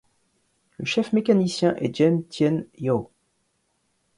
Le chef mécanicien est Jeme Tien Yow.